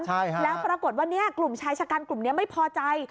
แล้วปรากฏว่ากลุ่มชายชะกันกลุ่มนี้ไม่พอใจ